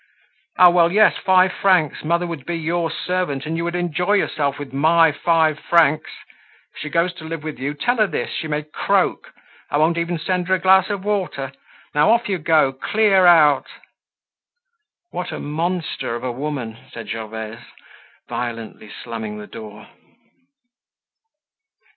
Ah well, yes, five francs! Mother would be your servant and you would enjoy yourself with my five francs! If she goes to live with you, tell her this, she may croak, I won't even send her a glass of water. Now off you go! Clear out!" "What a monster of a woman!" said Gervaise violently slamming the door.